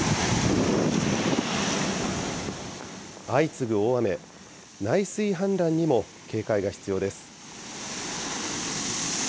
相次ぐ大雨、内水氾濫にも警戒が必要です。